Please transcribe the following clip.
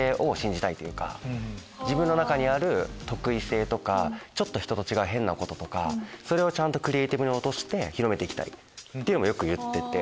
「自分の中にある特異性とか人と違う変なこととかそれをちゃんとクリエイティブに落として広めていきたい」ってよく言ってて。